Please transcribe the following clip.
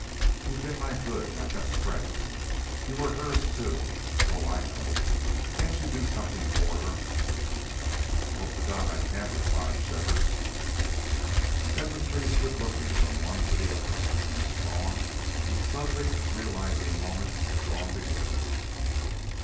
"You've been my good my best friend. You were hers, too. Oh, I know! ... Can't you do something for her?" "I hope to God I can," replied Shefford. Then the three stood looking from one to the other, in a strong and subtly realizing moment drawn together.